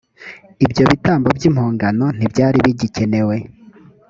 ibyo bitambo by’impongano ntibyari bigikenewe